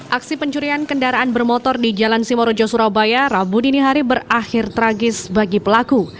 aksi pencurian kendaraan bermotor di jalan simorojo surabaya rabu dini hari berakhir tragis bagi pelaku